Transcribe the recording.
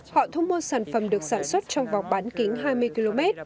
họ thu mua sản phẩm được sản xuất trong vòng bán kính hai mươi km